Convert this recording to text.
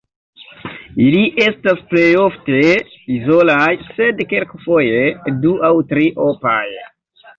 Ili estas plejofte izolaj sed kelkfoje du aŭ tri–opaj.